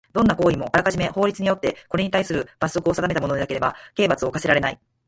どんな行為もあらかじめ法律によってこれにたいする罰則を定めたものでなければ刑罰を科せられない。